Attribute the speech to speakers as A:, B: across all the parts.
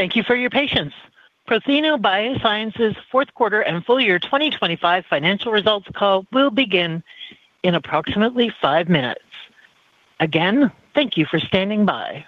A: Thank you for your patience. Prothena Biosciences fourth quarter and full year 2025 financial results call will begin in approximately five minutes. Again, thank you for standing by.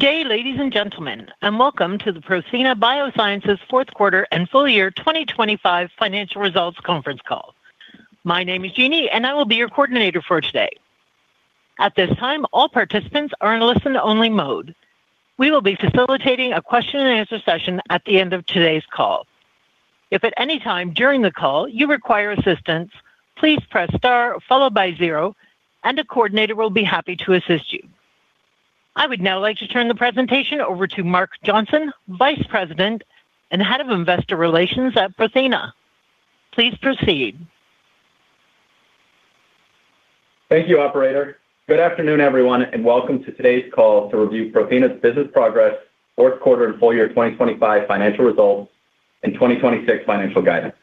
A: Good day, ladies and gentlemen, and welcome to the Prothena Biosciences fourth quarter and full year 2025 financial results conference call. My name is Jeannie, and I will be your coordinator for today. At this time, all participants are in a listen-only mode. We will be facilitating a question-and-answer session at the end of today's call. If at any time during the call you require assistance, please press star followed by zero, and a coordinator will be happy to assist you. I would now like to turn the presentation over to Mark Johnson, Vice President and Head of Investor Relations at Prothena. Please proceed.
B: Thank you, operator. Good afternoon, everyone, and welcome to today's call to review Prothena's business progress, fourth quarter and full year 2025 financial results, and 2026 financial guidance.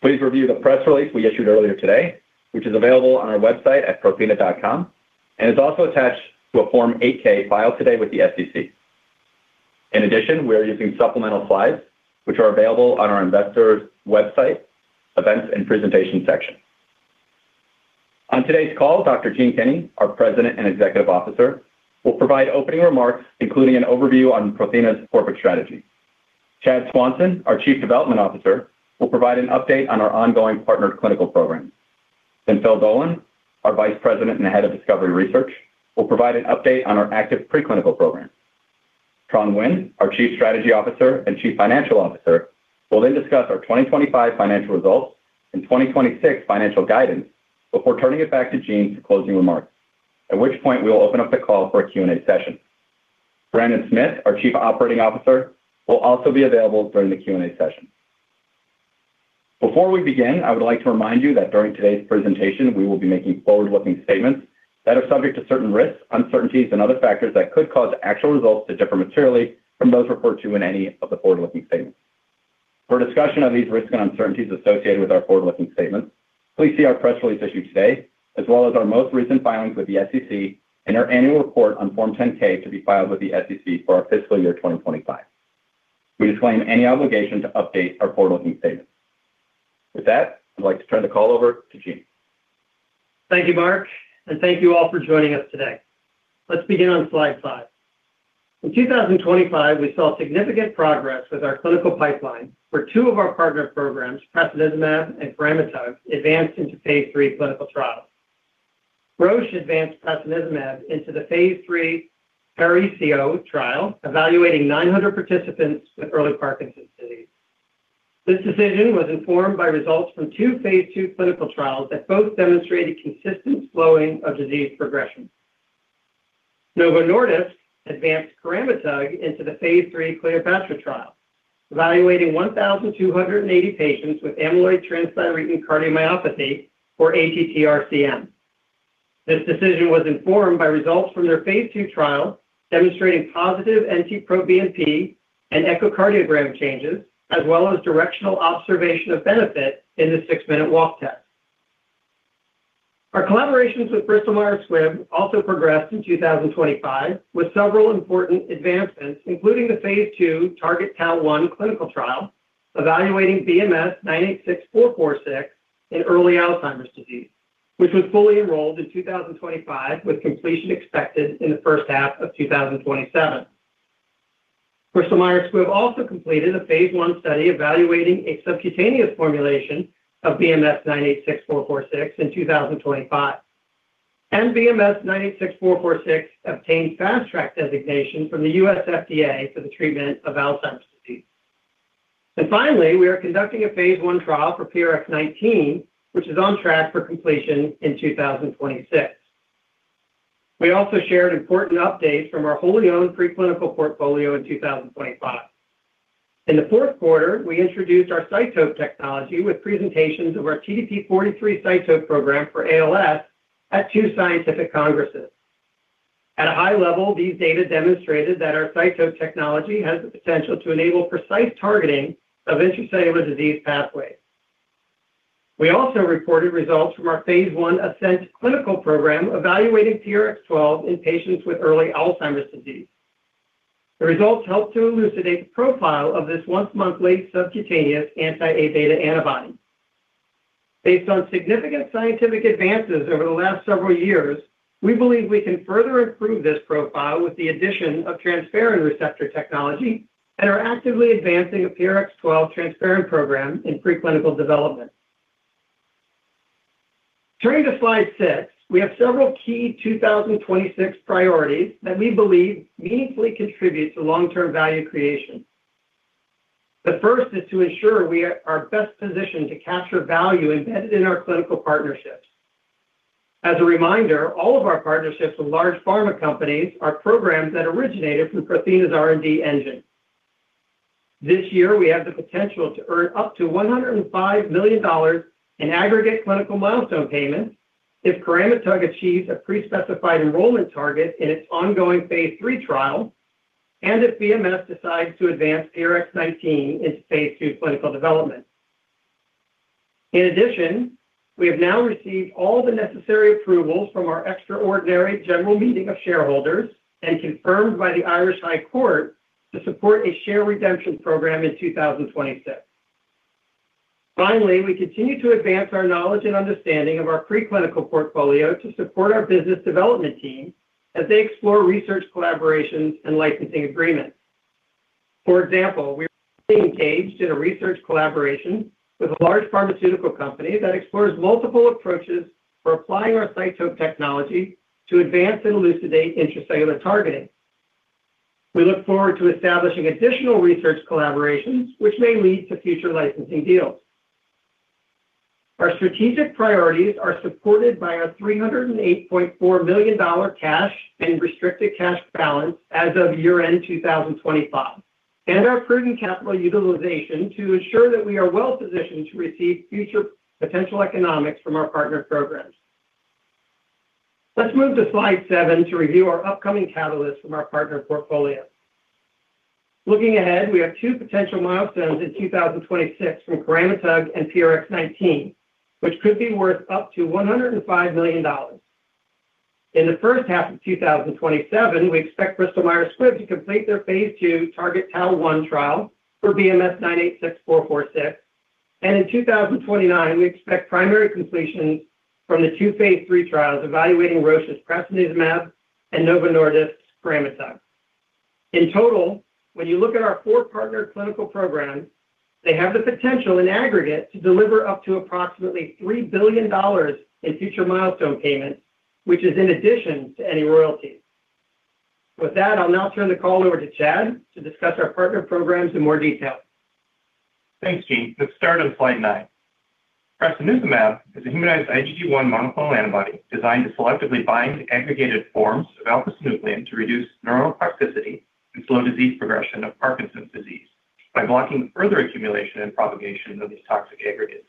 B: Please review the press release we issued earlier today, which is available on our website at prothena.com, and it's also attached to a Form 8-K filed today with the SEC. In addition, we are using supplemental slides, which are available on our investors website, Events and Presentation section. On today's call, Dr. Gene Kinney, our President and Executive Officer, will provide opening remarks, including an overview on Prothena's corporate strategy. Chad Swanson, our Chief Development Officer, will provide an update on our ongoing partnered clinical programs. Then Phil Dolan, our Vice President and Head of Discovery Research, will provide an update on our active preclinical programs. Tran Nguyen, our Chief Strategy Officer and Chief Financial Officer, will then discuss our 2025 financial results and 2026 financial guidance before turning it back to Gene for closing remarks, at which point we will open up the call for a Q&A session. Brandon Smith, our Chief Operating Officer, will also be available during the Q&A session. Before we begin, I would like to remind you that during today's presentation, we will be making forward-looking statements that are subject to certain risks, uncertainties, and other factors that could cause actual results to differ materially from those referred to in any of the forward-looking statements.... For a discussion of these risks and uncertainties associated with our forward-looking statements, please see our press release issued today, as well as our most recent filings with the SEC and our annual report on Form 10-K to be filed with the SEC for our fiscal year 2025. We disclaim any obligation to update our forward-looking statement. With that, I'd like to turn the call over to Gene.
C: Thank you, Mark, and thank you all for joining us today. Let's begin on slide 5. In 2025, we saw significant progress with our clinical pipeline, where two of our partner programs, prasinezumab and coramitug, advanced into phase 3 clinical trials. Roche advanced prasinezumab into the phase 3 PARAISO trial, evaluating 900 participants with early Parkinson's disease. This decision was informed by results from two phase 2 clinical trials that both demonstrated consistent slowing of disease progression. Novo Nordisk advanced coramitug into the phase 3 CLEOPATTRA trial, evaluating 1,280 patients with amyloid transthyretin cardiomyopathy, or ATTR-CM. This decision was informed by results from their phase 2 trial, demonstrating positive NT-proBNP and echocardiogram changes, as well as directional observation of benefit in the 6-minute walk test. Our collaborations with Bristol Myers Squibb also progressed in 2025, with several important advancements, including the phase 2 TargetTau-1 clinical trial, evaluating BMS-986446 in early Alzheimer's disease, which was fully enrolled in 2025, with completion expected in the first half of 2027. Bristol Myers Squibb also completed a phase 1 study evaluating a subcutaneous formulation of BMS-986446 in 2025, and BMS-986446 obtained Fast Track designation from the U.S. FDA for the treatment of Alzheimer's disease. Finally, we are conducting a phase 1 trial for PRX019, which is on track for completion in 2026. We also shared important updates from our wholly-owned preclinical portfolio in 2025. In the fourth quarter, we introduced our CYTOPE technology with presentations of our TDP-43 CYTOPE program for ALS at 2 scientific congresses. At a high level, these data demonstrated that our CYTOPE technology has the potential to enable precise targeting of intracellular disease pathways. We also reported results from our phase 1 ASCENT clinical program, evaluating PRX012 in patients with early Alzheimer's disease. The results helped to elucidate the profile of this once-monthly subcutaneous anti-Aβ antibody. Based on significant scientific advances over the last several years, we believe we can further improve this profile with the addition of transferrin receptor technology and are actively advancing a PRX012-TfR program in preclinical development. Turning to slide 6, we have several key 2026 priorities that we believe meaningfully contribute to long-term value creation. The first is to ensure we are best positioned to capture value embedded in our clinical partnerships. As a reminder, all of our partnerships with large pharma companies are programs that originated from Prothena's R&D engine. This year, we have the potential to earn up to $105 million in aggregate clinical milestone payments if coramitug achieves a pre-specified enrollment target in its ongoing phase III trial and if BMS decides to advance PRX019 into phase II clinical development. In addition, we have now received all the necessary approvals from our extraordinary general meeting of shareholders and confirmed by the Irish High Court to support a share redemption program in 2026. Finally, we continue to advance our knowledge and understanding of our preclinical portfolio to support our business development team as they explore research collaborations and licensing agreements. For example, we're engaged in a research collaboration with a large pharmaceutical company that explores multiple approaches for applying our CYTOPE technology to advance and elucidate intracellular targeting. We look forward to establishing additional research collaborations, which may lead to future licensing deals. Our strategic priorities are supported by our $308.4 million cash and restricted cash balance as of year-end 2025, and our prudent capital utilization to ensure that we are well positioned to receive future potential economics from our partner programs. Let's move to slide 7 to review our upcoming catalysts from our partner portfolio. Looking ahead, we have two potential milestones in 2026 from coramitug and PRX019, which could be worth up to $105 million. In the first half of 2027, we expect Bristol Myers Squibb to complete their phase 2 TargetTau-1 trial for BMS-986446. In 2029, we expect primary completion from the two phase 3 trials evaluating Roche's prasinezumab and Novo Nordisk's coramitug. In total, when you look at our four partner clinical programs, they have the potential in aggregate to deliver up to approximately $3 billion in future milestone payments, which is in addition to any royalties. With that, I'll now turn the call over to Chad to discuss our partner programs in more detail.
B: Thanks, Gene. Let's start on slide 9. Prasinezumab is a humanized IgG1 monoclonal antibody designed to selectively bind aggregated forms of alpha-synuclein to reduce neurotoxicity and slow disease progression of Parkinson's disease by blocking further accumulation and propagation of these toxic aggregates....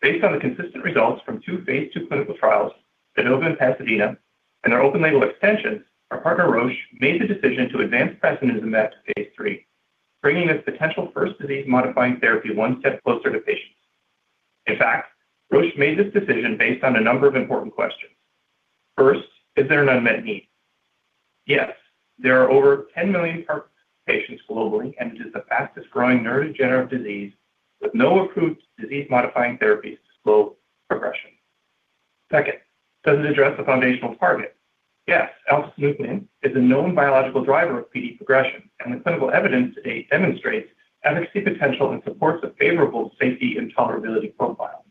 D: Based on the consistent results from two phase 2 clinical trials, PADOVA and PASADENA, and our open-label extension, our partner, Roche, made the decision to advance prasinezumab to phase 3, bringing this potential first disease-modifying therapy one step closer to patients. In fact, Roche made this decision based on a number of important questions. First, is there an unmet need? Yes, there are over 10 million Parkinson's patients globally, and it is the fastest growing neurodegenerative disease with no approved disease-modifying therapies to slow progression. Second, does it address a foundational target? Yes. Alpha-synuclein is a known biological driver of PD progression, and the clinical evidence demonstrates efficacy potential and supports a favorable safety and tolerability profile.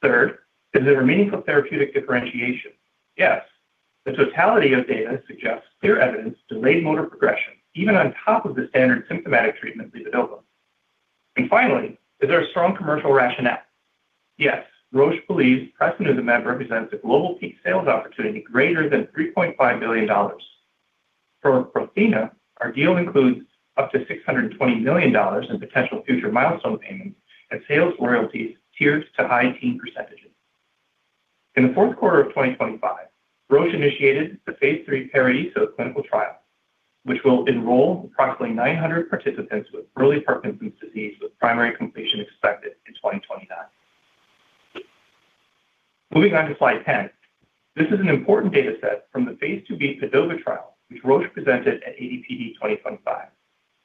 D: Third, is there a meaningful therapeutic differentiation? Yes. The totality of data suggests clear evidence, delayed motor progression, even on top of the standard symptomatic treatment, levodopa. Finally, is there a strong commercial rationale? Yes, Roche believes prasinezumab represents a global peak sales opportunity greater than $3.5 million. For Prothena, our deal includes up to $620 million in potential future milestone payments and sales royalties tiered to high teen percentages. In the fourth quarter of 2025, Roche initiated the phase 3 PARAISO clinical trial, which will enroll approximately 900 participants with early Parkinson's disease, with primary completion expected in 2029. Moving on to slide 10. This is an important data set from the phase 2b PADOVA trial, which Roche presented at ADPD 2025.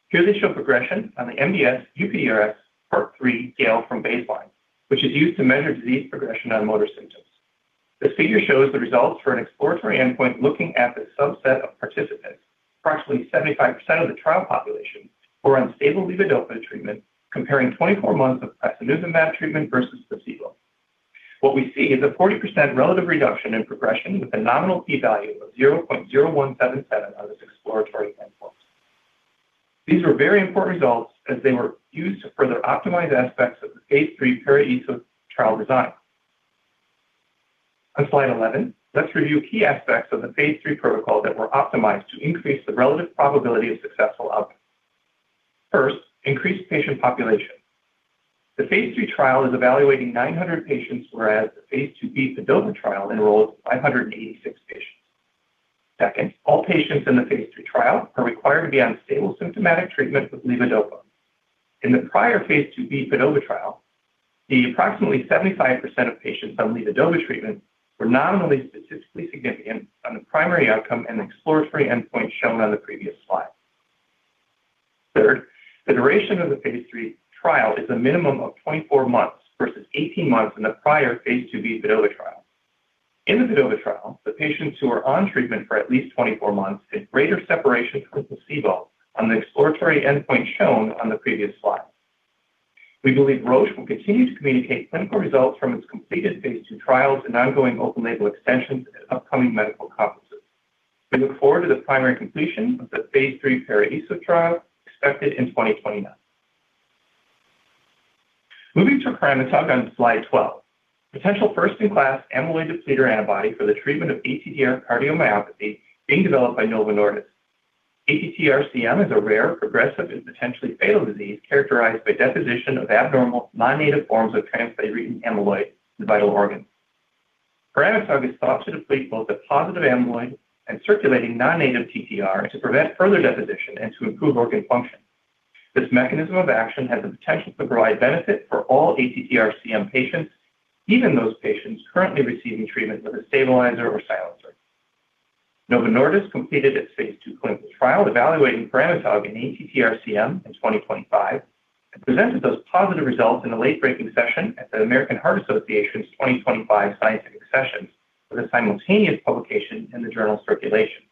D: Here they show progression on the MDS-UPDRS part 3 scale from baseline, which is used to measure disease progression on motor symptoms. This figure shows the results for an exploratory endpoint, looking at the subset of participants. Approximately 75% of the trial population were on stable levodopa treatment, comparing 24 months of prasinezumab treatment versus placebo. What we see is a 40% relative reduction in progression, with a nominal P-value of 0.0177 on this exploratory endpoint. These were very important results as they were used to further optimize aspects of the phase 3 PARAISO trial design. On slide 11, let's review key aspects of the phase 3 protocol that were optimized to increase the relative probability of successful outcome. First, increased patient population. The phase 3 trial is evaluating 900 patients, whereas the phase 2b PADOVA trial enrolled 586 patients. Second, all patients in the phase 3 trial are required to be on stable symptomatic treatment with levodopa. In the prior phase 2b PADOVA trial, approximately 75% of patients on levodopa treatment were nominally statistically significant on the primary outcome and exploratory endpoint shown on the previous slide. Third, the duration of the phase 3 trial is a minimum of 24 months versus 18 months in the prior phase 2b PADOVA trial. In the PADOVA trial, the patients who are on treatment for at least 24 months had greater separation from placebo on the exploratory endpoint shown on the previous slide. We believe Roche will continue to communicate clinical results from its completed phase 2 trials and ongoing open-label extensions at upcoming medical conferences. We look forward to the primary completion of the phase 3 PARAISO trial expected in 2029. Moving to coramitug on slide 12, potential first-in-class amyloid depleter antibody for the treatment of ATTR cardiomyopathy being developed by Novo Nordisk. ATTR-CM is a rare, progressive, and potentially fatal disease characterized by deposition of abnormal, non-native forms of transthyretin amyloid in vital organs. Coramitug is thought to deplete both the positive amyloid and circulating non-native TTR to prevent further deposition and to improve organ function. This mechanism of action has the potential to provide benefit for all ATTR-CM patients, even those patients currently receiving treatment with a stabilizer or silencer. Novo Nordisk completed its phase 2 clinical trial, evaluating coramitug in ATTR-CM in 2025, and presented those positive results in a late-breaking session at the American Heart Association's 2025 Scientific Sessions, with a simultaneous publication in the journal Circulation.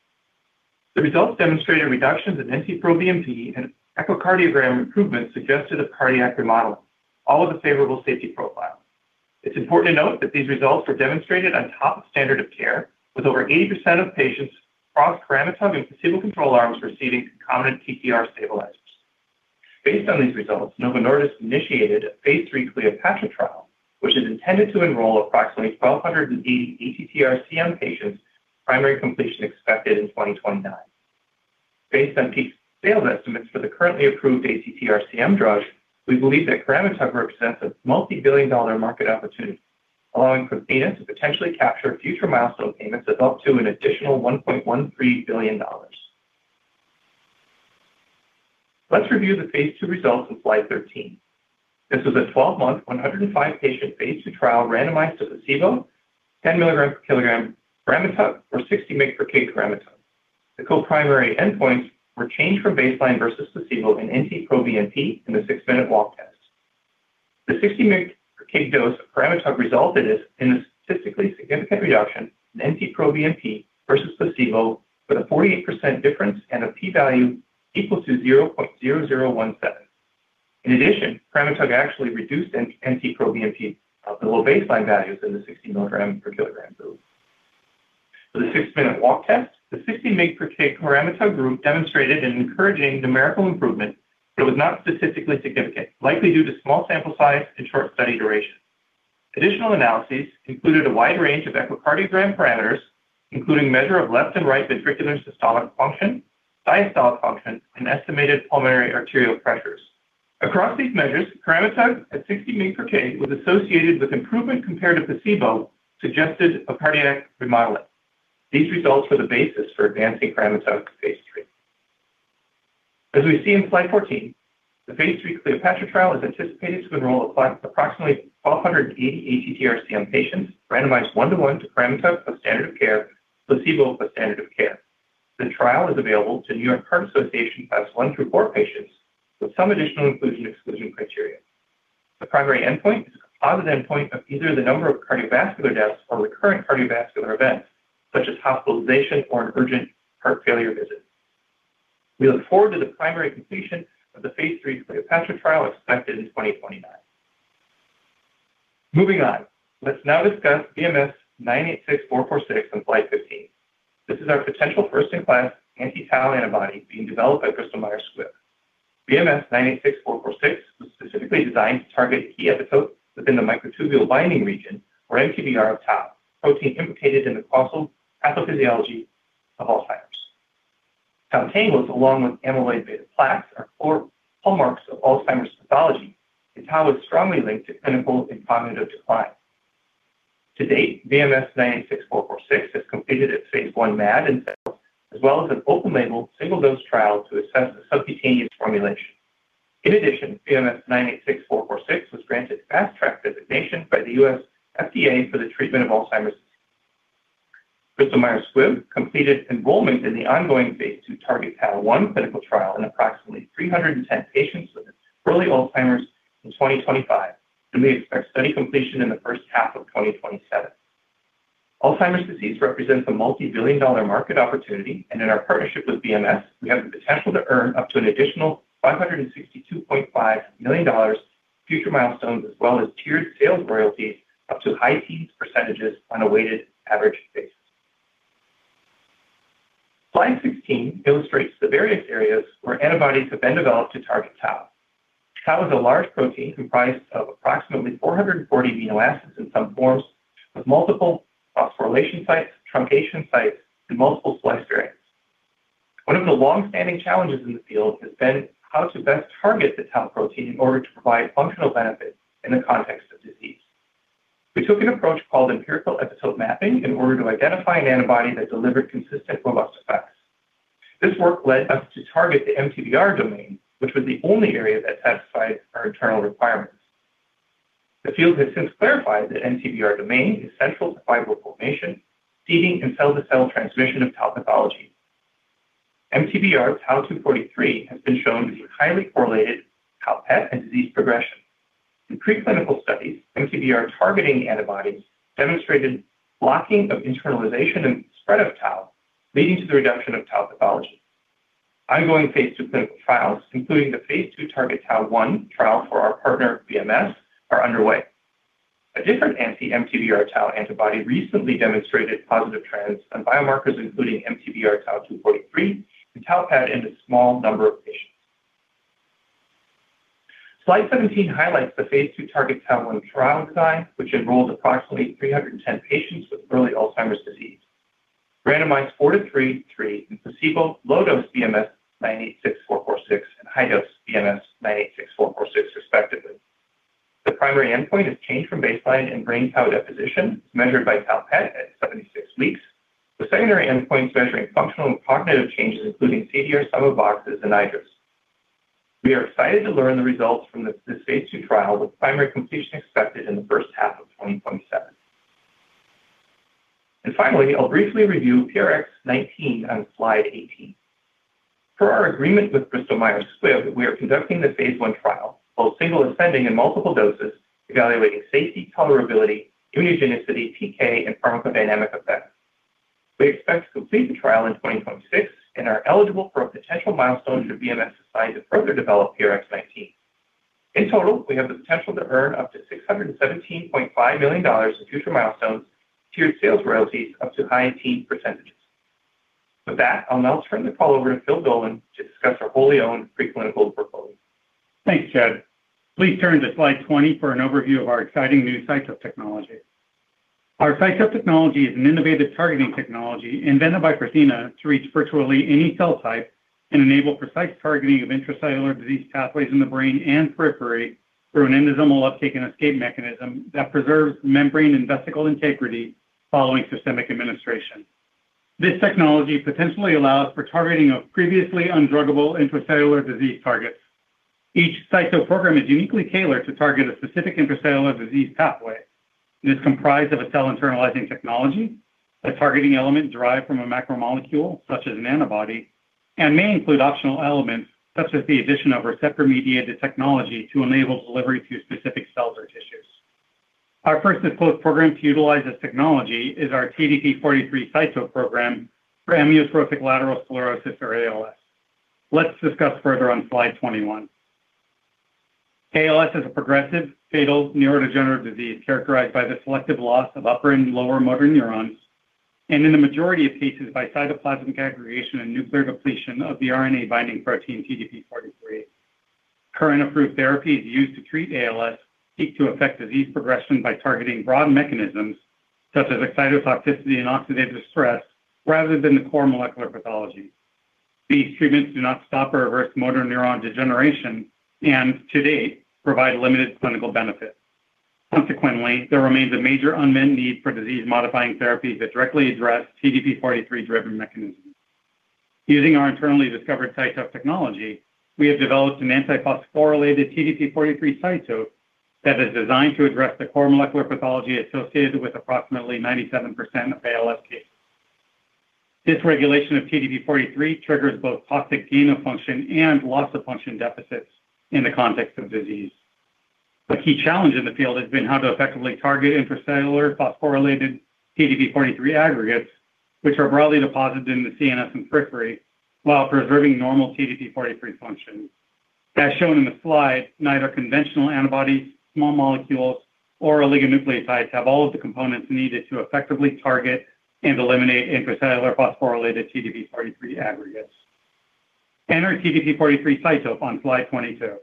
D: The results demonstrated reductions in NT-proBNP and echocardiogram improvements suggested a cardiac remodel, all with a favorable safety profile. It's important to note that these results were demonstrated on top of standard of care, with over 80% of patients across coramitug and placebo control arms receiving concomitant TTR stabilizers. Based on these results, Novo Nordisk initiated a phase 3 CLEOPATTRA trial, which is intended to enroll approximately 1,280 ATTR-CM patients, primary completion expected in 2029. Based on peak sales estimates for the currently approved ATTR-CM drugs, we believe that coramitug represents a multi-billion dollar market opportunity, allowing Prothena to potentially capture future milestone payments of up to an additional $1.13 billion. Let's review the phase 2 results on slide 13. This was a 12-month, 105 patient phase 2 trial, randomized to placebo, 10 mg/kg coramitug, or 60 mg/kg coramitug. The co-primary endpoints were changed from baseline versus placebo in NT-proBNP in the six-minute walk test. The 60 mg per kg dose of coramitug resulted in a statistically significant reduction in NT-proBNP versus placebo, with a 48% difference and a P value equal to 0.0017. In addition, coramitug actually reduced NT-proBNP of the low baseline values in the 60 milligrams per kilogram dose. For the six-minute walk test, the 60 mg per kg coramitug group demonstrated an encouraging numerical improvement, but it was not statistically significant, likely due to small sample size and short study duration. Additional analyses included a wide range of echocardiogram parameters, including measure of left and right ventricular systolic function, diastolic function, and estimated pulmonary arterial pressures. Across these measures, coramitug at 60 mg per kg was associated with improvement compared to placebo, suggested a cardiac remodeling. These results were the basis for advancing coramitug to phase 3. As we see in slide 14, the phase 3 CLEOPATTRA trial is anticipated to enroll approximately 1,280 ATTR-CM patients, randomized 1:1 to coramitug of standard of care, placebo of standard of care. The trial is available to New York Heart Association class 1 through 4 patients, with some additional inclusion/exclusion criteria. The primary endpoint is a composite endpoint of either the number of cardiovascular deaths or recurrent cardiovascular events, such as hospitalization or an urgent heart failure visit. We look forward to the primary completion of the phase 3 CLEOPATTRA trial, expected in 2029. Moving on. Let's now discuss BMS-986446 in slide 15. This is our potential first-in-class anti-tau antibody being developed by Bristol Myers Squibb. BMS-986446 was specifically designed to target a key epitope within the microtubule binding region or MTBR of tau protein implicated in the causal pathophysiology of Alzheimer's. Tau tangles, along with amyloid beta plaques, are core hallmarks of Alzheimer's pathology, and tau is strongly linked to clinical and cognitive decline. To date, BMS-986446 has completed its phase 1 MAD in cells, as well as an open-label, single-dose trial to assess the subcutaneous formulation. In addition, BMS-986446 was granted Fast Track designation by the U.S. FDA for the treatment of Alzheimer's. Bristol Myers Squibb completed enrollment in the ongoing phase 2 TargetTau-1 clinical trial in approximately 310 patients with early Alzheimer's in 2025, and we expect study completion in the first half of 2027. Alzheimer's disease represents a multi-billion dollar market opportunity, and in our partnership with BMS, we have the potential to earn up to an additional $562.5 million future milestones, as well as tiered sales royalties up to high teens % on a weighted average basis. Slide 16 illustrates the various areas where antibodies have been developed to target tau. Tau is a large protein comprised of approximately 440 amino acids in some forms, with multiple phosphorylation sites, truncation sites, and multiple splice variants. One of the long-standing challenges in the field has been how to best target the tau protein in order to provide functional benefit in the context of disease. We took an approach called empirical epitope mapping in order to identify an antibody that delivered consistent, robust effects. This work led us to target the MTBR domain, which was the only area that satisfied our internal requirements. The field has since clarified that MTBR domain is central to fiber formation, seeding, and cell-to-cell transmission of tau pathology. MTBR tau 243 has been shown to be highly correlated tau PET and disease progression. In preclinical studies, MTBR targeting antibodies demonstrated blocking of internalization and spread of tau, leading to the reduction of tau pathology. Ongoing phase 2 clinical trials, including the phase 2 TargetTau-1 trial for our partner, BMS, are underway. A different anti-MTBR tau antibody recently demonstrated positive trends on biomarkers, including MTBR tau 243 and tau PET in a small number of patients. Slide 17 highlights the phase 2 TargetTau-1 trial design, which enrolls approximately 310 patients with early Alzheimer's disease, randomized 4 to 3, 3 in placebo, low-dose BMS-986446, and high-dose BMS-986446, respectively. The primary endpoint is change from baseline in brain tau deposition, measured by tau PET at 76 weeks, with secondary endpoints measuring functional and cognitive changes, including CDR sum of boxes and IDRSS. We are excited to learn the results from the phase 2 trial, with primary completion expected in the first half of 2027. Finally, I'll briefly review PRX019 on slide 18. Per our agreement with Bristol Myers Squibb, we are conducting the phase 1 trial, both single ascending and multiple doses, evaluating safety, tolerability, immunogenicity, PK, and pharmacodynamic effects. We expect to complete the trial in 2026 and are eligible for a potential milestone should BMS decide to further develop PRX019. In total, we have the potential to earn up to $617.5 million in future milestones, tiered sales royalties up to high teens %. With that, I'll now turn the call over to Phil Dolan to discuss our wholly owned preclinical portfolio.
E: Thanks, Chad. Please turn to slide 20 for an overview of our exciting new CYTOPE technology. Our CYTOPE technology is an innovative targeting technology invented by Prothena to reach virtually any cell type and enable precise targeting of intracellular disease pathways in the brain and periphery through an endosomal uptake and escape mechanism that preserves membrane and vesicle integrity following systemic administration. This technology potentially allows for targeting of previously undruggable intracellular disease targets. Each CYTOPE program is uniquely tailored to target a specific intracellular disease pathway and is comprised of a cell-internalizing technology, a targeting element derived from a macromolecule, such as an antibody, and may include optional elements, such as the addition of receptor-mediated technology, to enable delivery to specific cells or tissues. Our first disclosed program to utilize this technology is our TDP-43 CYTOPE program for amyotrophic lateral sclerosis, or ALS. Let's discuss further on slide 21. ALS is a progressive, fatal neurodegenerative disease characterized by the selective loss of upper and lower motor neurons, and in the majority of cases, by cytoplasmic aggregation and nuclear depletion of the RNA binding protein TDP-43. Current approved therapies used to treat ALS seek to affect disease progression by targeting broad mechanisms such as excitotoxicity and oxidative stress, rather than the core molecular pathology. These treatments do not stop or reverse motor neuron degeneration, and to date, provide limited clinical benefit. Consequently, there remains a major unmet need for disease-modifying therapies that directly address TDP-43-driven mechanisms. Using our internally discovered CYTOPE technology, we have developed an anti-phosphorylated TDP-43 CYTOPE that is designed to address the core molecular pathology associated with approximately 97% of ALS cases. Dysregulation of TDP-43 triggers both toxic gain-of-function and loss-of-function deficits in the context of disease. The key challenge in the field has been how to effectively target intracellular phosphorylated TDP-43 aggregates, which are broadly deposited in the CNS and periphery, while preserving normal TDP-43 functions. As shown in the slide, neither conventional antibodies, small molecules, or oligonucleotides have all of the components needed to effectively target and eliminate intracellular phosphorylated TDP-43 aggregates. Enter TDP-43 CYTOPE on slide 22.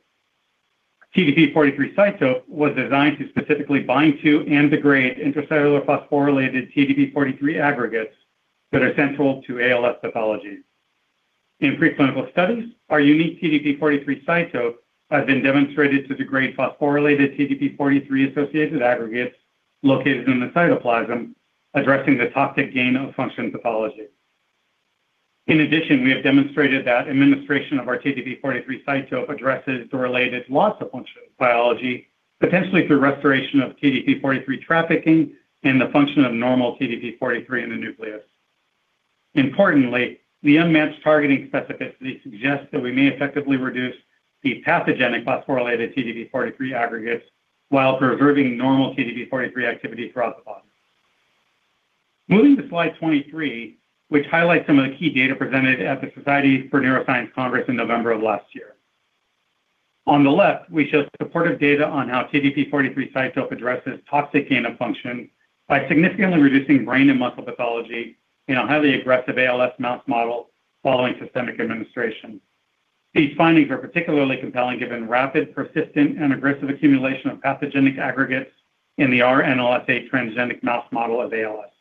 E: TDP-43 CYTOPE was designed to specifically bind to and degrade intracellular phosphorylated TDP-43 aggregates that are central to ALS pathologies. In preclinical studies, our unique TDP-43 CYTOPE has been demonstrated to degrade phosphorylated TDP-43-associated aggregates located in the cytoplasm, addressing the toxic gain-of-function pathology. In addition, we have demonstrated that administration of our TDP-43 CYTOPE addresses the related loss-of-function pathology, potentially through restoration of TDP-43 trafficking and the function of normal TDP-43 in the nucleus. Importantly, the unmatched targeting specificity suggests that we may effectively reduce the pathogenic phosphorylated TDP-43 aggregates while preserving normal TDP-43 activity throughout the body. Moving to slide 23, which highlights some of the key data presented at the Society for Neuroscience Congress in November of last year. On the left, we show supportive data on how TDP-43 CYTOPE addresses toxic gain-of-function by significantly reducing brain and muscle pathology in a highly aggressive ALS mouse model following systemic administration. These findings are particularly compelling, given rapid, persistent, and aggressive accumulation of pathogenic aggregates in the RNLSA transgenic mouse model of ALS.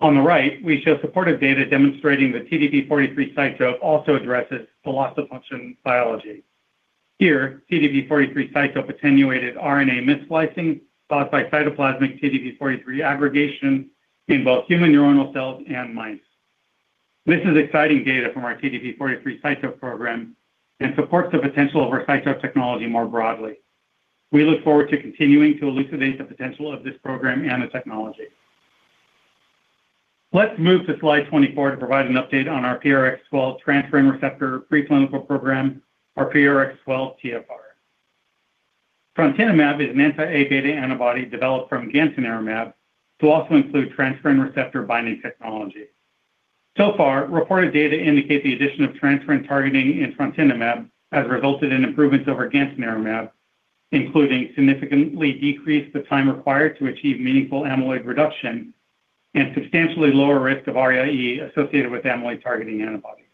E: On the right, we show supportive data demonstrating the TDP-43 CYTOPE also addresses the loss-of-function pathology. Here, TDP-43 CYTOPE attenuated RNA missplicing caused by cytoplasmic TDP-43 aggregation in both human neuronal cells and mice. This is exciting data from our TDP-43 CYTOPE program and supports the potential of our CYTOPE technology more broadly. We look forward to continuing to elucidate the potential of this program and the technology. Let's move to slide 24 to provide an update on our PRX012 transferrin receptor preclinical program, or PRX012-TfR. Trontinumab is an anti-Aβ antibody developed from gantenerumab to also include transferrin receptor binding technology. So far, reported data indicate the addition of transferrin targeting in trontinumab has resulted in improvements over gantenerumab, including significantly decreased the time required to achieve meaningful amyloid reduction and substantially lower risk of ARIA-E associated with amyloid-targeting antibodies.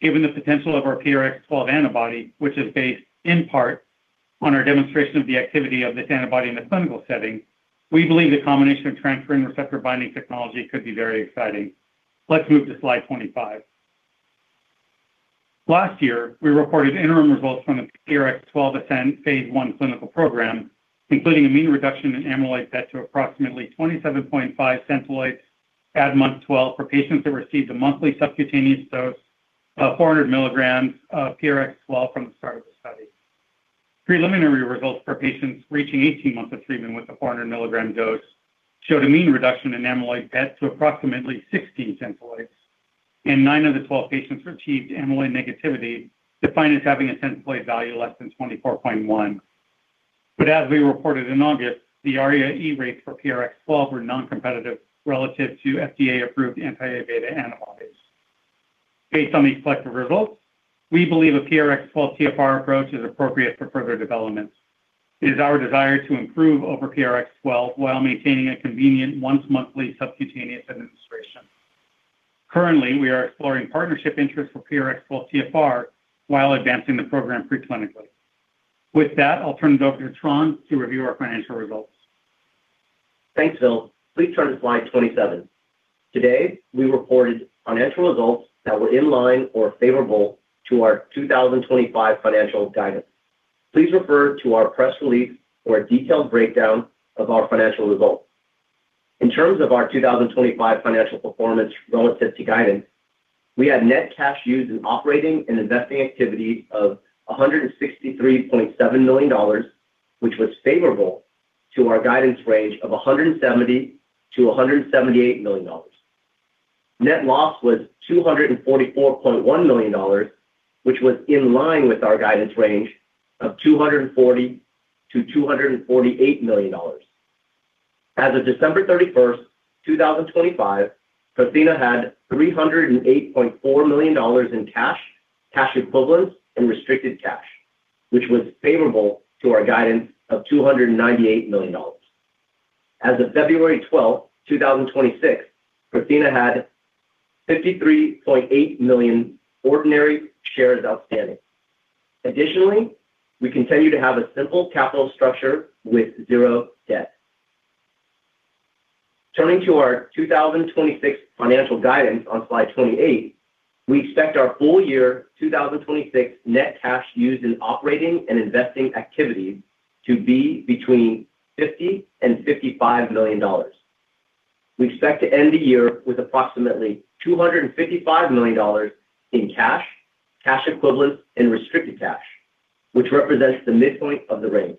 E: Given the potential of our PRX012 antibody, which is based in part on our demonstration of the activity of this antibody in the clinical setting, we believe the combination of transferrin receptor binding technology could be very exciting. Let's move to slide 25. Last year, we reported interim results from the PRX012 ASCENT phase 1 clinical program, including a mean reduction in amyloid PET to approximately 27.5 centiloids at month 12 for patients that received a monthly subcutaneous dose of 400 mg of PRX012 from the start of the study. Preliminary results for patients reaching 18 months of treatment with a 400 mg dose showed a mean reduction in amyloid PET to approximately 60 centiloids, and 9 of the 12 patients achieved amyloid negativity, defined as having a centiloid value less than 24.1. But as we reported in August, the ARIA-E rates for PRX012 were non-competitive relative to FDA-approved anti-Aβ antibodies. Based on these collective results, we believe a PRX012-TfR approach is appropriate for further development. It is our desire to improve over PRX012 while maintaining a convenient once-monthly subcutaneous administration. Currently, we are exploring partnership interest for PRX012-TfR while advancing the program preclinically. With that, I'll turn it over to Tran to review our financial results.
F: Thanks, Bill. Please turn to slide 27. Today, we reported financial results that were in line or favorable to our 2025 financial guidance. Please refer to our press release for a detailed breakdown of our financial results. In terms of our 2025 financial performance relative to guidance, we had net cash used in operating and investing activity of $163.7 million, which was favorable to our guidance range of $170 million-$178 million. Net loss was $244.1 million, which was in line with our guidance range of $240 million-$248 million. As of December 31, 2025, Prothena had $308.4 million in cash, cash equivalents, and restricted cash, which was favorable to our guidance of $298 million. As of February 12, 2026, Prothena had 53.8 million ordinary shares outstanding. Additionally, we continue to have a simple capital structure with 0 debt. Turning to our 2026 financial guidance on slide 28, we expect our full year 2026 net cash used in operating and investing activities to be between $50 million-$55 million. We expect to end the year with approximately $255 million in cash, cash equivalents, and restricted cash, which represents the midpoint of the range.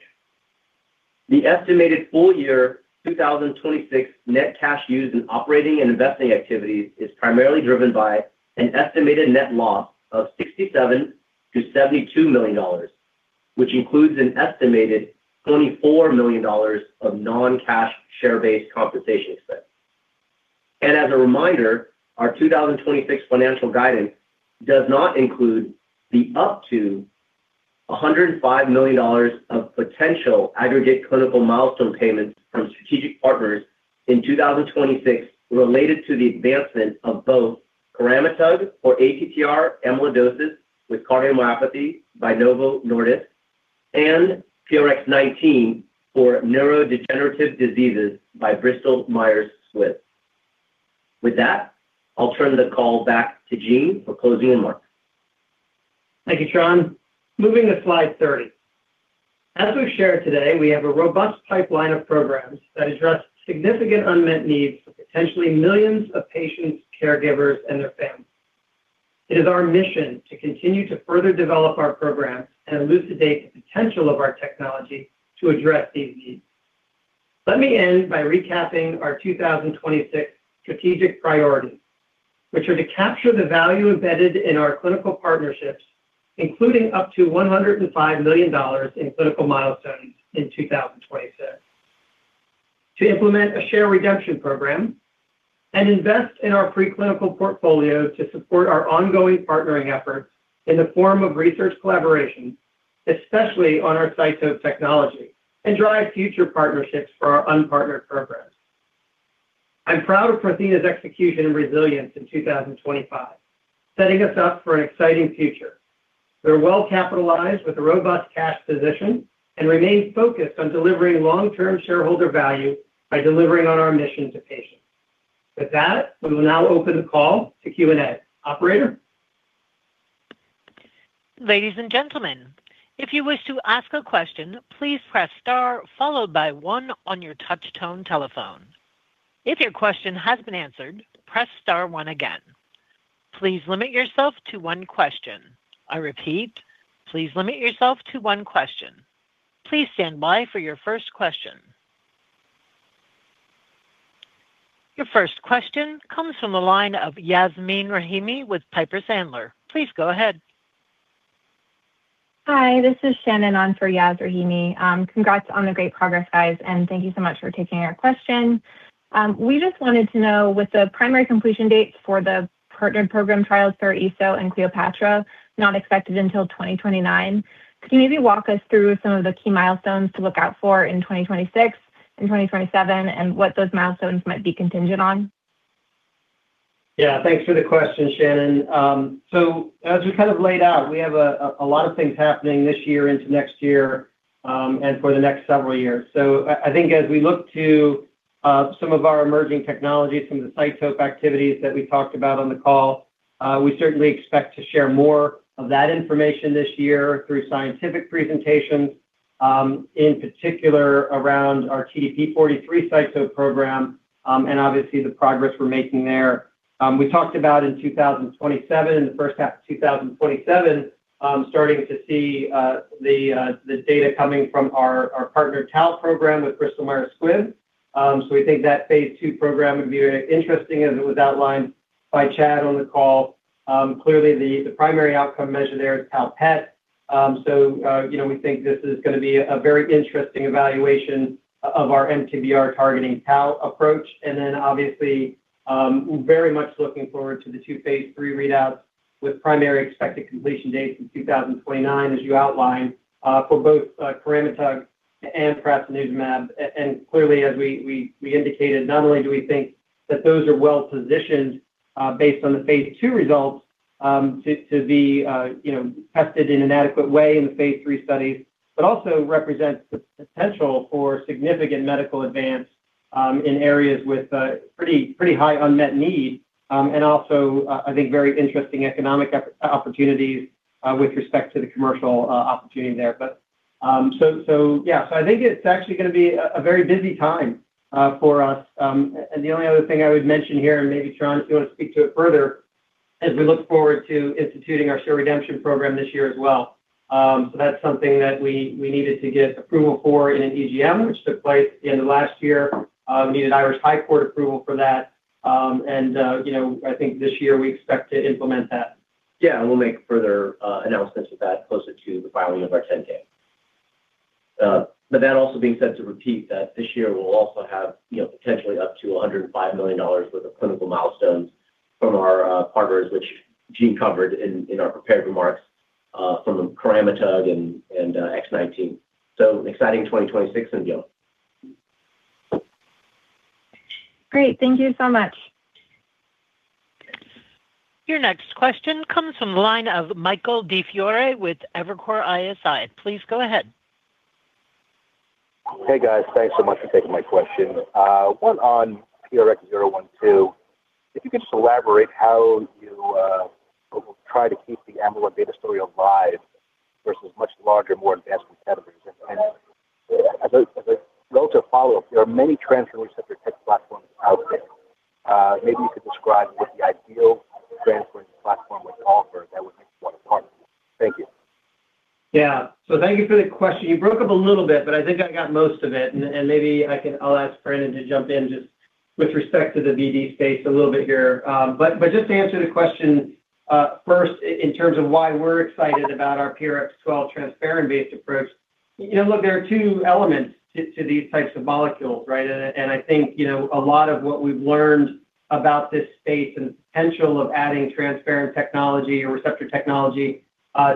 F: The estimated full year 2026 net cash used in operating and investing activities is primarily driven by an estimated net loss of $67 million-$72 million, which includes an estimated $24 million of non-cash share-based compensation expense. And as a reminder, our 2026 financial guidance does not include the up to $105 million of potential aggregate clinical milestone payments from strategic partners in 2026 related to the advancement of both coramitug for ATTR amyloidosis with cardiomyopathy by Novo Nordisk, and PRX019 for neurodegenerative diseases by Bristol Myers Squibb. With that, I'll turn the call back to Gene for closing remarks.
C: Thank you, Sean. Moving to slide 30. As we've shared today, we have a robust pipeline of programs that address significant unmet needs for potentially millions of patients, caregivers, and their families. It is our mission to continue to further develop our programs and elucidate the potential of our technology to address these needs. Let me end by recapping our 2026 strategic priorities, which are to capture the value embedded in our clinical partnerships, including up to $105 million in clinical milestones in 2026. To implement a share redemption program and invest in our preclinical portfolio to support our ongoing partnering efforts in the form of research collaborations, especially on our CYTOPE technology, and drive future partnerships for our unpartnered programs. I'm proud of Prothena's execution and resilience in 2025, setting us up for an exciting future. We're well-capitalized with a robust cash position and remain focused on delivering long-term shareholder value by delivering on our mission to patients. With that, we will now open the call to Q&A. Operator?
A: Ladies and gentlemen, if you wish to ask a question, please press star followed by one on your touch tone telephone. If your question has been answered, press star one again. Please limit yourself to one question. I repeat, please limit yourself to one question. Please stand by for your first question. Your first question comes from the line of Yasmin Rahimi with Piper Sandler. Please go ahead.
G: Hi, this is Shannon on for Yas Rahimi. Congrats on the great progress, guys, and thank you so much for taking our question. We just wanted to know, with the primary completion dates for the partnered program trials for PARAISO and CLEOPATTRA not expected until 2029, could you maybe walk us through some of the key milestones to look out for in 2026 and 2027, and what those milestones might be contingent on?
C: Yeah, thanks for the question, Shannon. So as we kind of laid out, we have a lot of things happening this year into next year, and for the next several years. So I think as we look to some of our emerging technologies, some of the CYTOPE activities that we talked about on the call, we certainly expect to share more of that information this year through scientific presentations, in particular around our TDP-43 CYTOPE program, and obviously the progress we're making there. We talked about in 2027, in the first half of 2027, starting to see the data coming from our partner's tau program with Bristol Myers Squibb. So we think that phase 2 program would be very interesting, as it was outlined by Chad on the call. Clearly, the primary outcome measure there is tau PET. So, you know, we think this is gonna be a very interesting evaluation of our MTBR targeting tau approach. And then obviously, very much looking forward to the 2 phase 3 readouts with primary expected completion dates in 2029, as you outlined, for both coramitug and prasinezumab. And clearly, as we indicated, not only do we think that those are well-positioned based on the phase 2 results to be you know tested in an adequate way in the phase 3 studies, but also represents the potential for significant medical advance in areas with pretty pretty high unmet need and also I think very interesting economic opportunities with respect to the commercial opportunity there. But so yeah. So I think it's actually gonna be a very busy time for us. And the only other thing I would mention here, and maybe Sean if you want to speak to it further, as we look forward to instituting our share redemption program this year as well. So that's something that we needed to get approval for in an EGM, which took place at the end of last year. We needed Irish High Court approval for that. You know, I think this year we expect to implement that.
F: Yeah, and we'll make further announcements with that closer to the filing of our 10-K. But that also being said, to repeat that this year we'll also have, you know, potentially up to $105 million worth of clinical milestones from our partners, which Gene covered in our prepared remarks....
C: from the coramitug and PRX019. So exciting 2026 in view.
G: Great, thank you so much.
A: Your next question comes from the line of Michael DiFiore with Evercore ISI. Please go ahead.
G: Hey, guys. Thanks so much for taking my question. One on PRX012, if you could just elaborate how you will try to keep the amyloid beta story alive versus much larger, more advanced competitors? And as a relative follow-up, there are many transferrin receptor tech platforms out there. Maybe you could describe what the ideal transferrin receptor platform would offer that would make one stand apart. Thank you.
C: Yeah. So thank you for the question. You broke up a little bit, but I think I got most of it, and maybe I can - I'll ask Brandon to jump in just with respect to the BD space a little bit here. But just to answer the question, first in terms of why we're excited about our PRX012 transferrin-based approach, you know, look, there are two elements to these types of molecules, right? And I think, you know, a lot of what we've learned about this space and the potential of adding transferrin technology or receptor technology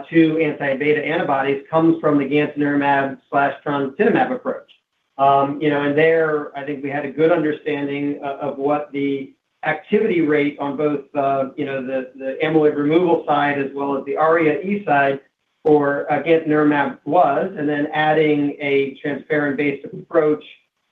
C: to anti-beta antibodies comes from the gantenerumab/trontinumab approach. You know, and there, I think we had a good understanding of what the activity rate on both, you know, the amyloid removal side, as well as the ARIA-E side for, again, trontinumab was, and then adding a transferrin receptor-based approach,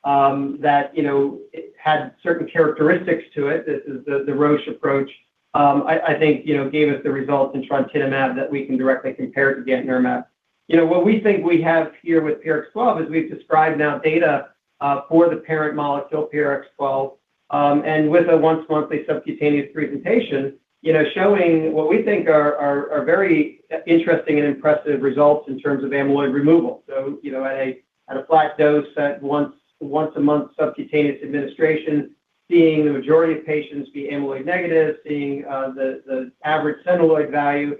C: that, you know, had certain characteristics to it. This is the Roche approach. I think, you know, gave us the results in trontinumab that we can directly compare to gantenerumab. You know, what we think we have here with PRX012 is we've described now data for the parent molecule, PRX012, and with a once monthly subcutaneous presentation, you know, showing what we think are very interesting and impressive results in terms of amyloid removal. So, you know, at a flat dose, once a month subcutaneous administration, seeing the majority of patients be amyloid negative, seeing the average centiloid value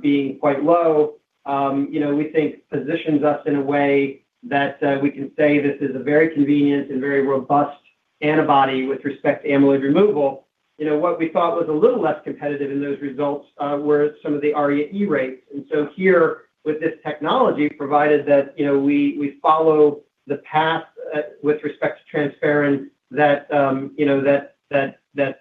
C: being quite low, you know, we think positions us in a way that we can say this is a very convenient and very robust antibody with respect to amyloid removal. You know, what we thought was a little less competitive in those results were some of the ARIA-E rates. And so here with this technology, provided that, you know, we follow the path with respect to transferrin, that, you know,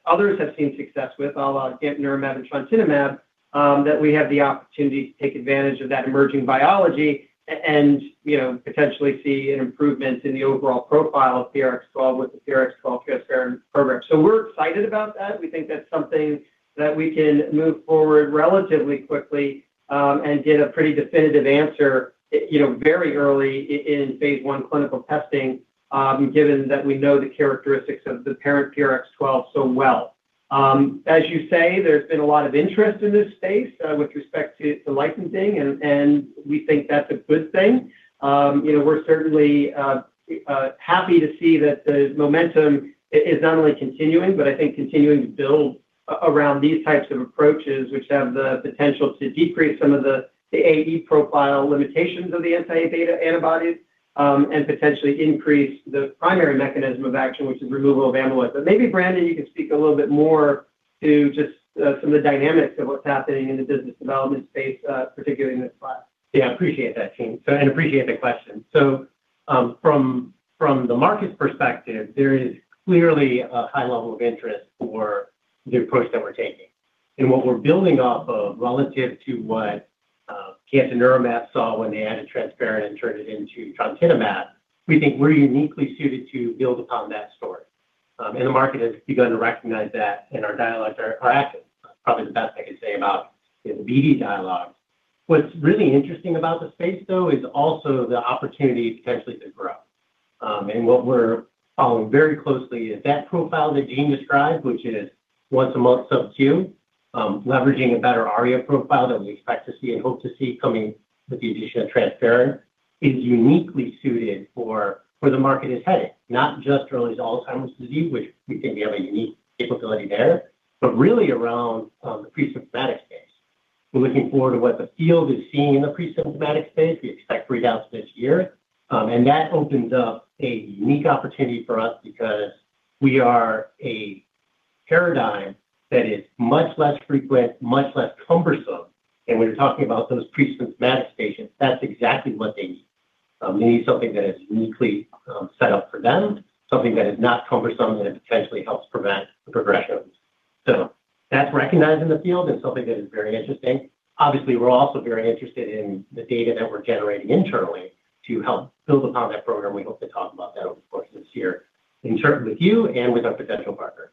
C: others have seen success with, à la gantenerumab and trontinumab, that we have the opportunity to take advantage of that emerging biology and, you know, potentially see an improvement in the overall profile of PRX012 with the PRX012 transferrin program. So we're excited about that. We think that's something that we can move forward relatively quickly, and get a pretty definitive answer, you know, very early in phase 1 clinical testing, given that we know the characteristics of the parent PRX012 so well. As you say, there's been a lot of interest in this space with respect to licensing, and we think that's a good thing. You know, we're certainly happy to see that the momentum is not only continuing, but I think continuing to build around these types of approaches, which have the potential to decrease some of the AE profile limitations of the anti-beta antibodies, and potentially increase the primary mechanism of action, which is removal of amyloid. But maybe, Brandon, you can speak a little bit more to just some of the dynamics of what's happening in the business development space, particularly in this class.
H: Yeah, I appreciate that, James, so and appreciate the question. So, from the market's perspective, there is clearly a high level of interest for the approach that we're taking. And what we're building off of relative to what gantenerumab saw when they added transferrin and turned it into trontinumab, we think we're uniquely suited to build upon that story. And the market has begun to recognize that, and our dialogues are active. Probably the best I could say about the BD dialogue. What's really interesting about the space, though, is also the opportunity potentially to grow. And what we're following very closely is that profile that Gene described, which is once a month subcu, leveraging a better ARIA profile that we expect to see and hope to see coming with the addition of transferrin, is uniquely suited for where the market is headed, not just early Alzheimer's disease, which we think we have a unique capability there, but really around the presymptomatic space. We're looking forward to what the field is seeing in the presymptomatic space. We expect readouts this year, and that opens up a unique opportunity for us because we are a paradigm that is much less frequent, much less cumbersome, and we're talking about those presymptomatic patients. That's exactly what they need. They need something that is uniquely set up for them, something that is not cumbersome, and it potentially helps prevent the progression. That's recognized in the field and something that is very interesting. Obviously, we're also very interested in the data that we're generating internally to help build upon that program. We hope to talk about that, of course, this year, internally with you and with our potential partner.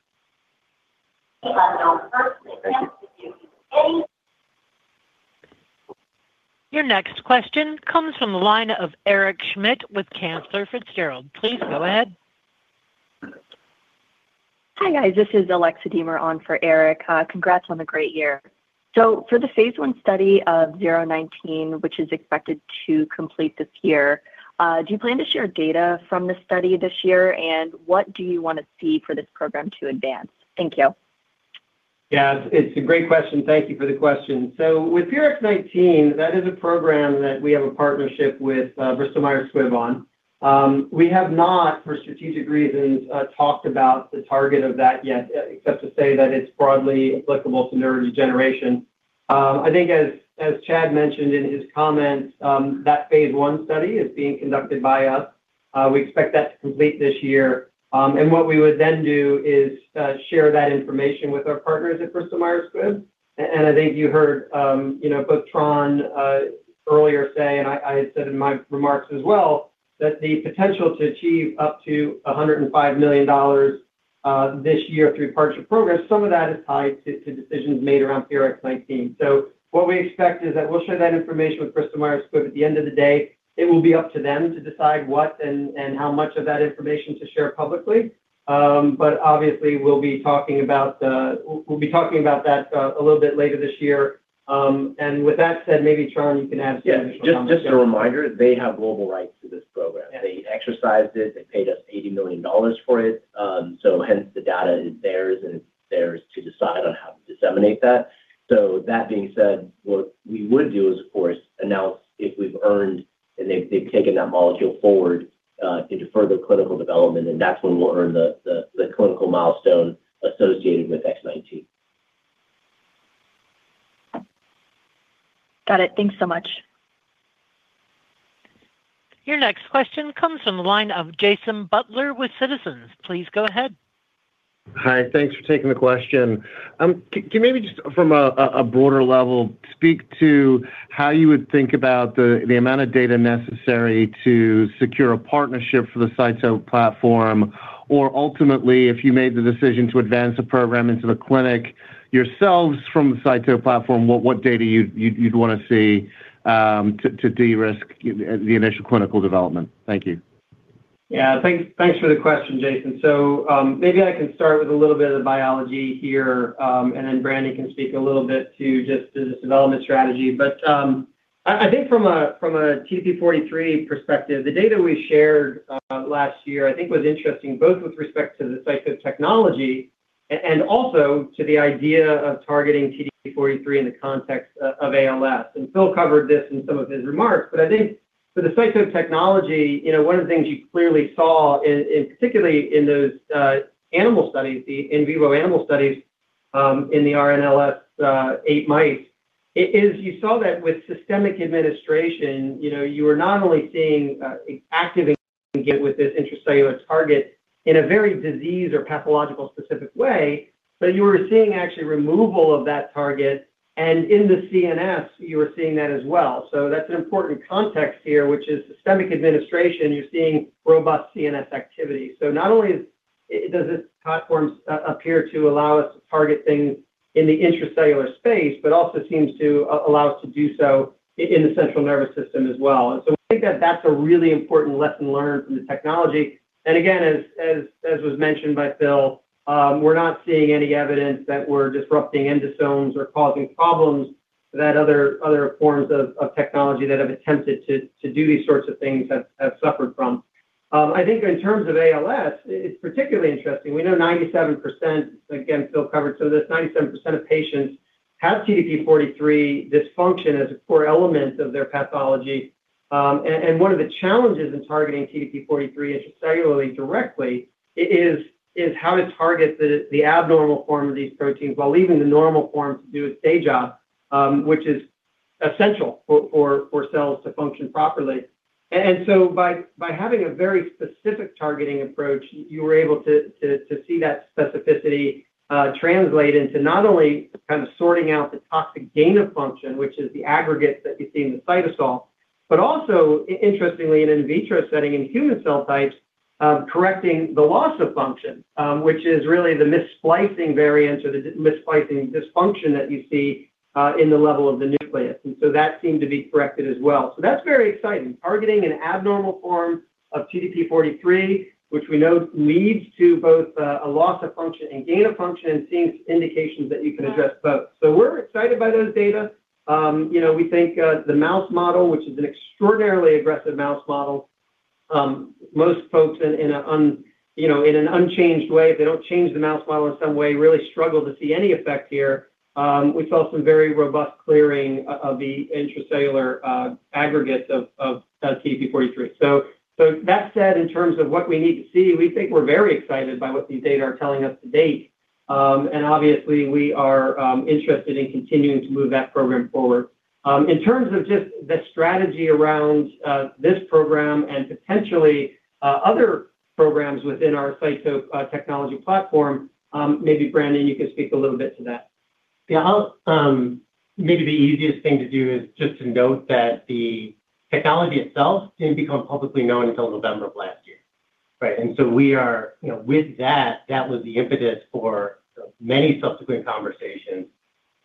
A: Your next question comes from the line of Eric Schmidt with Cantor Fitzgerald. Please go ahead.
G: Hi, guys. This is Alexa Deemer on for Eric. Congrats on the great year. So for the phase one study of PRX019, which is expected to complete this year, do you plan to share data from the study this year, and what do you want to see for this program to advance? Thank you.
C: Yeah, it's a great question. Thank you for the question. So with PRX019, that is a program that we have a partnership with Bristol Myers Squibb on. We have not, for strategic reasons, talked about the target of that yet, except to say that it's broadly applicable to neurodegeneration. I think as Chad mentioned in his comments, that phase one study is being conducted by us. We expect that to complete this year. And what we would then do is share that information with our partners at Bristol Myers Squibb. I think you heard, you know, both Tran earlier say, and I, I said in my remarks as well, that the potential to achieve up to $105 million this year through partnership programs, some of that is tied to decisions made around PRX019. So what we expect is that we'll share that information with Bristol Myers Squibb. At the end of the day, it will be up to them to decide what and how much of that information to share publicly. But obviously, we'll be talking about, we'll be talking about that a little bit later this year. And with that said, maybe, Tran, you can add-
H: Yes. Just, just a reminder, they have global rights to this program.
C: Yeah.
H: They exercised it, they paid us $80 million for it, so hence the data is theirs, and it's theirs to decide on how to disseminate that. So with that being said, what we would do is, of course, announce if we've earned and they've, they've taken that molecule forward, into further clinical development, and that's when we'll earn the clinical milestone associated with PRX019.
G: Got it. Thanks so much.
A: Your next question comes from the line of Jason Butler with Citizens. Please go ahead.
G: Hi, thanks for taking the question. Can you maybe just from a broader level, speak to how you would think about the amount of data necessary to secure a partnership for the CYTOPE platform, or ultimately, if you made the decision to advance the program into the clinic yourselves from the CYTOPE platform, what data you'd want to see, to de-risk the initial clinical development? Thank you.
C: Yeah, thanks, thanks for the question, Jason. So, maybe I can start with a little bit of the biology here, and then Brandon can speak a little bit to just the development strategy. But, I, I think from a, from a TDP-43 perspective, the data we shared, last year, I think was interesting, both with respect to the CYTOPE® technology and also to the idea of targeting TDP-43 in the context of, of ALS. Phil covered this in some of his remarks, but I think for the CYTO technology, you know, one of the things you clearly saw, in particular in those animal studies, the in vivo animal studies, in the RNLS eight mice, is you saw that with systemic administration, you know, you were not only seeing active engagement with this intracellular target in a very disease or pathological specific way, but you were seeing actually removal of that target, and in the CNS, you were seeing that as well. So that's an important context here, which is systemic administration, you're seeing robust CNS activity. So not only does this platform appear to allow us to target things in the intracellular space, but also seems to allow us to do so in the central nervous system as well. So we think that that's a really important lesson learned from the technology. Again, as was mentioned by Phil, we're not seeing any evidence that we're disrupting endosomes or causing problems that other forms of technology that have attempted to do these sorts of things have suffered from. I think in terms of ALS, it's particularly interesting. We know 97%, again, Phil covered, so this 97% of patients have TDP-43 dysfunction as a core element of their pathology. One of the challenges in targeting TDP-43 intracellularly directly is how to target the abnormal form of these proteins while leaving the normal form to do its day job, which is essential for cells to function properly. And so by having a very specific targeting approach, you were able to see that specificity translate into not only kind of sorting out the toxic gain of function, which is the aggregates that you see in the cytosol, but also interestingly, in vitro setting in human cell types, correcting the loss of function, which is really the missplicing variants or the missplicing dysfunction that you see in the level of the nucleus. And so that seemed to be corrected as well. So that's very exciting. Targeting an abnormal form of TDP-43, which we know leads to both a loss of function and gain of function, and seeing indications that you can address both. So we're excited by those data. You know, we think the mouse model, which is an extraordinarily aggressive mouse model, most folks in an unchanged way, if they don't change the mouse model in some way, really struggle to see any effect here. We saw some very robust clearing of the intracellular aggregates of TDP-43. So that said, in terms of what we need to see, we think we're very excited by what these data are telling us to date. And obviously, we are interested in continuing to move that program forward. In terms of just the strategy around this program and potentially other programs within our CYTO technology platform, maybe, Brandon, you can speak a little bit to that.
H: Yeah, I'll maybe the easiest thing to do is just to note that the technology itself didn't become publicly known until November of last year. Right? And so we are, you know, with that, that was the impetus for many subsequent conversations.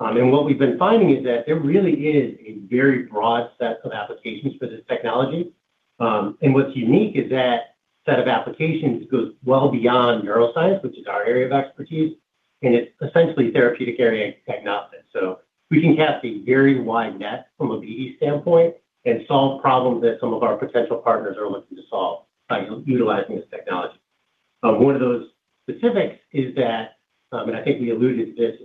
H: And what we've been finding is that there really is a very broad set of applications for this technology. And what's unique is that set of applications goes well beyond neuroscience, which is our area of expertise, and it's essentially therapeutic area agnostic. So we can cast a very wide net from a BE standpoint and solve problems that some of our potential partners are looking to solve by utilizing this technology.
C: ...One of those specifics is that, and I think we alluded this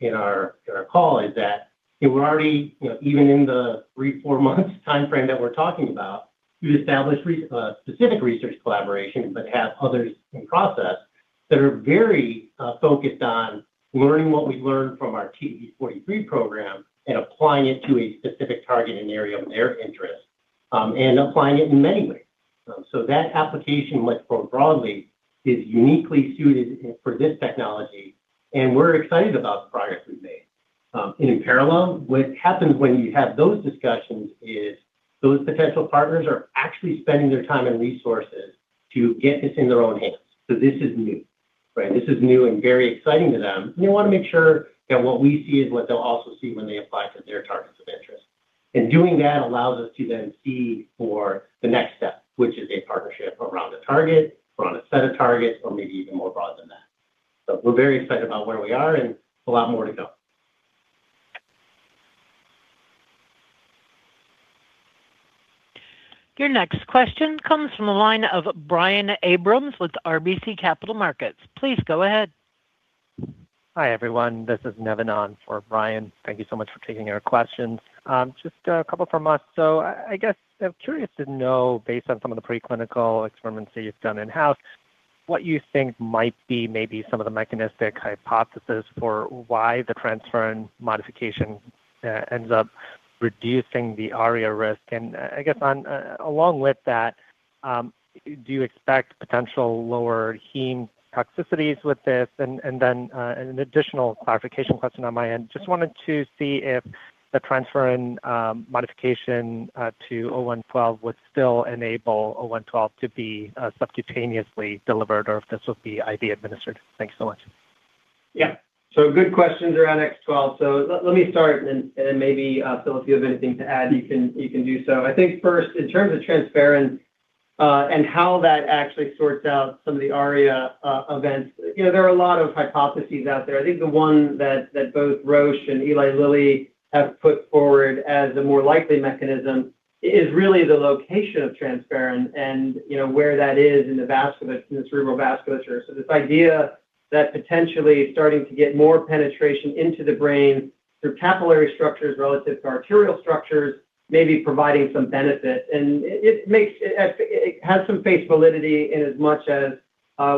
C: in our call, is that we're already, you know, even in the three- to four-month timeframe that we're talking about, we've established specific research collaborations, but have others in process that are very focused on learning what we've learned from our TDP-43 program and applying it to a specific targeting area of their interest, and applying it in many ways. So that application, much more broadly, is uniquely suited for this technology, and we're excited about the progress we've made. In parallel, what happens when you have those discussions is those potential partners are actually spending their time and resources to get this in their own hands. So this is new, right? This is new and very exciting to them. We wanna make sure that what we see is what they'll also see when they apply to their targets of interest. Doing that allows us to then see for the next step, which is a partnership around a target or on a set of targets, or maybe even more broad than that. We're very excited about where we are, and a lot more to go.
E: Your next question comes from the line of Brian Abrams with RBC Capital Markets. Please go ahead.
G: Hi, everyone. This is Nevin on for Brian. Thank you so much for taking our questions. Just a couple from us. So I guess I'm curious to know, based on some of the preclinical experiments that you've done in-house, what you think might be maybe some of the mechanistic hypothesis for why the transferrin modification ends up reducing the ARIA risk? And, I guess, on, along with that, do you expect potential lower heme toxicities with this? And then, an additional clarification question on my end. Just wanted to see if the transferrin modification to PRX012 would still enable PRX012 to be subcutaneously delivered or if this would be IV administered. Thanks so much.
C: Yeah. So good questions around PRX012. So let me start and maybe Phil, if you have anything to add, you can do so. I think first, in terms of transferrin, and how that actually sorts out some of the ARIA events, you know, there are a lot of hypotheses out there. I think the one that both Roche and Eli Lilly have put forward as the more likely mechanism is really the location of transferrin and, you know, where that is in the vascular, in the cerebral vasculature. So this idea that potentially starting to get more penetration into the brain through capillary structures relative to arterial structures, may be providing some benefit. It makes some face validity in as much as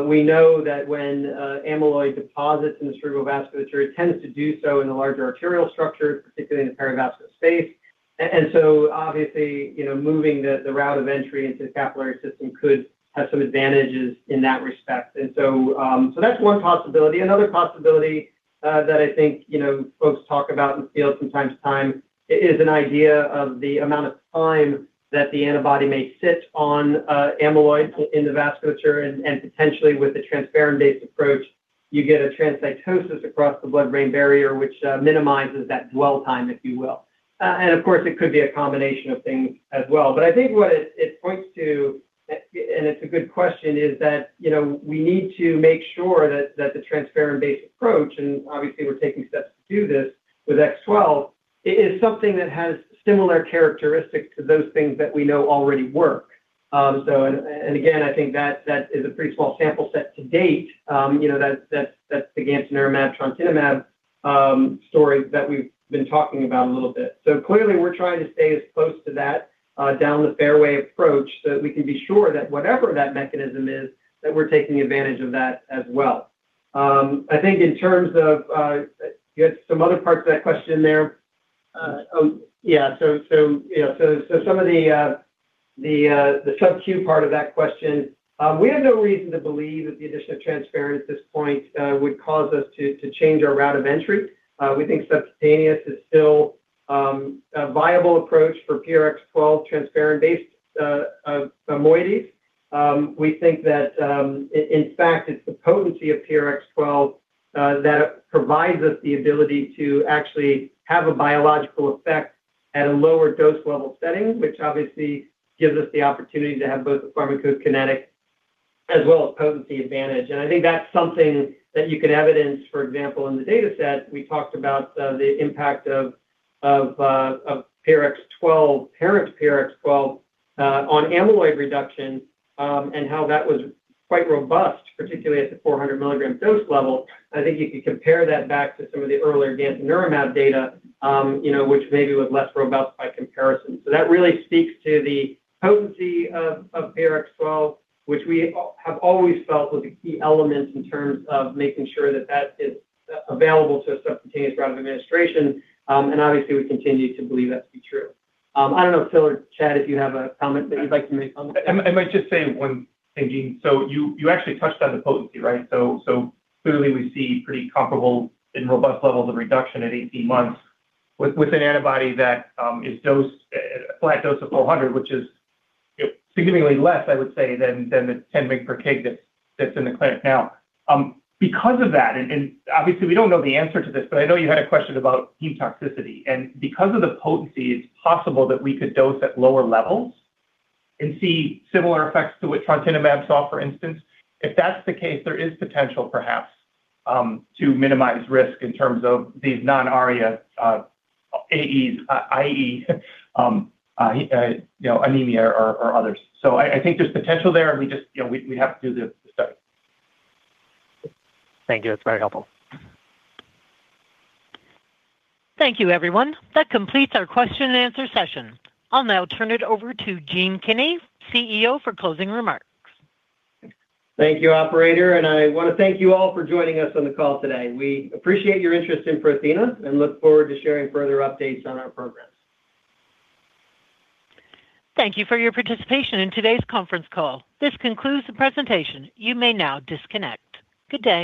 C: we know that when amyloid deposits in the cerebral vasculature, it tends to do so in the larger arterial structures, particularly in the perivascular space. And so obviously, you know, moving the route of entry into the capillary system could have some advantages in that respect. And so that's one possibility. Another possibility that I think, you know, folks talk about in the field from time to time is an idea of the amount of time that the antibody may sit on amyloid in the vasculature, and potentially with the transferrin-based approach, you get a transcytosis across the blood-brain barrier, which minimizes that dwell time, if you will. And of course, it could be a combination of things as well. But I think what it points to, and it's a good question, is that, you know, we need to make sure that the transferrin-based approach, and obviously we're taking steps to do this with PRX012, is something that has similar characteristics to those things that we know already work. So again, I think that is a pretty small sample set to date. You know, that's the gantenerumab, trontinumab, story that we've been talking about a little bit. So clearly, we're trying to stay as close to that down the fairway approach, so that we can be sure that whatever that mechanism is, that we're taking advantage of that as well. I think in terms of, you had some other parts of that question there. Oh, yeah, so you know, some of the subcu part of that question, we have no reason to believe that the addition of transferrin at this point would cause us to change our route of entry. We think subcutaneous is still a viable approach for PRX012 transferrin-based moieties. We think that in fact it's the potency of PRX012 that provides us the ability to actually have a biological effect at a lower dose level setting, which obviously gives us the opportunity to have both the pharmacokinetic as well as potency advantage. And I think that's something that you can evidence, for example, in the dataset. We talked about the impact of PRX-012, parent PRX-012, on amyloid reduction, and how that was quite robust, particularly at the 400 mg dose level. I think you could compare that back to some of the earlier gantenerumab data, you know, which maybe was less robust by comparison. So that really speaks to the potency of PRX-012, which we have always felt was a key element in terms of making sure that that is available to a subcutaneous route of administration, and obviously, we continue to believe that to be true. I don't know, Phil or Chad, if you have a comment that you'd like to make on this?
E: I might just say one thing, Gene. So you actually touched on the potency, right? So clearly, we see pretty comparable and robust levels of reduction at 18 months with an antibody that is dosed a flat dose of 400, which is significantly less, I would say, than the 10 mg per kg that's in the clinic now. Because of that, and obviously, we don't know the answer to this, but I know you had a question about heme toxicity. And because of the potency, it's possible that we could dose at lower levels and see similar effects to what trontinumab saw, for instance. If that's the case, there is potential, perhaps, to minimize risk in terms of these non-ARIA AEs, i.e., you know, anemia or others. So I think there's potential there, and we just, you know, we have to do the study.
G: Thank you. That's very helpful.
E: Thank you, everyone. That completes our question and answer session. I'll now turn it over to Gene Kinney, CEO, for closing remarks.
C: Thank you, operator, and I want to thank you all for joining us on the call today. We appreciate your interest in Prothena and look forward to sharing further updates on our progress.
E: Thank you for your participation in today's conference call. This concludes the presentation. You may now disconnect. Good day.